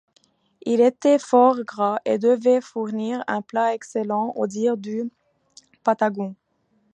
Il était fort gras, et devait fournir un plat excellant, au dire du Patagon.